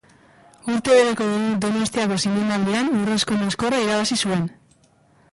Urte bereko Donostiako Zinemaldian Urrezko Maskorra irabazi zuen.